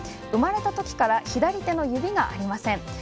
生まれたときから左手の指がありません。